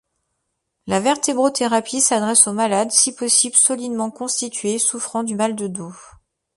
La vertébrothérapie s'adresse aux malades, si possible solidement constitués, souffrant du mal de dos.